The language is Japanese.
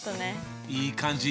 いい感じ！